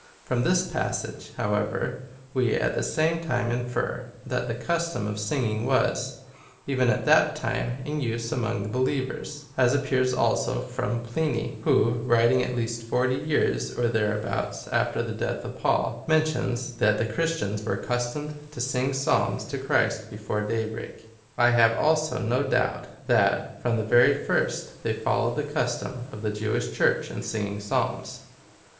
From this passage, however, we at the same time infer, that the custom of singing was, even at that time, in use among believers, as appears, also, from Pliny, who, writing at least forty years, or thereabouts, after the death of Paul, men tions, that the Christians were accustomed to sing Psalms to Christ before day break.^ I have also no doubt, that, from the very first, they followed the custom of the Jewish Church in singing Psalms, i 16.